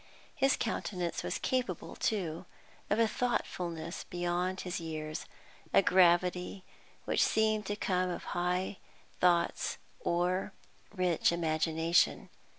His countenance was capable, too, of a thoughtfulness beyond his years, a gravity which seemed to come of high thoughts or rich imagination.